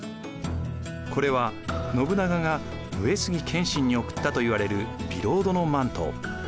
これは信長が上杉謙信に贈ったといわれるビロードのマント。